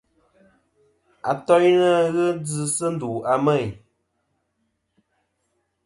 Atoynɨ fhɨ djɨ sɨ ndu a Meyn.